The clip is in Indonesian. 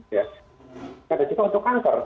ya terkadang juga untuk kanker